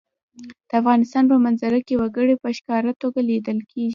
د افغانستان په منظره کې وګړي په ښکاره توګه لیدل کېږي.